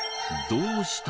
どうした？